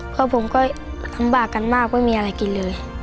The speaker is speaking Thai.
เพราะผมก็ลำบากกันมากไม่มีอะไรกินเลย